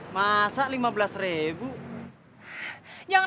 masak lima belas ribu